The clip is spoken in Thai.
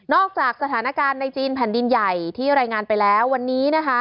จากสถานการณ์ในจีนแผ่นดินใหญ่ที่รายงานไปแล้ววันนี้นะคะ